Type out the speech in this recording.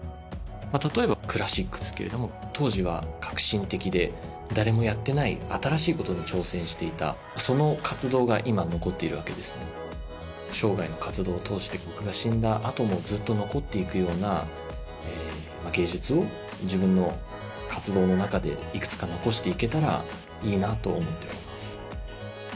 例えばクラシックですけれども当時は革新的で誰もやってない新しいことに挑戦していたその活動が今残っているわけですね生涯の活動を通して僕が死んだあともずっと残っていくような芸術を自分の活動の中でいくつか残していけたらいいなと思っております